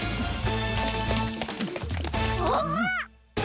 あっ！？